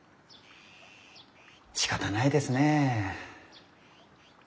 しかたないですねえ。